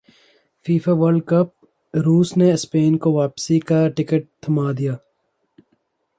FIFA World cup روس نے Spain کو واپسی کا ٹکٹ تھمادیا